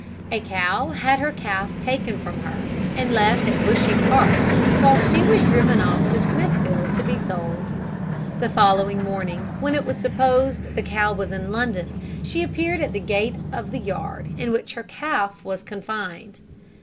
A cow had her calf taken from her, and left at Bushy Park, while she was driven off to Smithfield to be sold. The following morning, when it was supposed the cow was in London, she appeared at the gate of the yard in which her calf was confined.